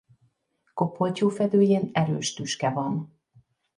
Kopoltyúfedőjén erős tüske van.